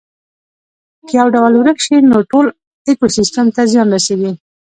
که یو ډول ورک شي نو ټول ایکوسیستم ته زیان رسیږي